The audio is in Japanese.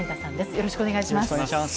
よろしくお願いします。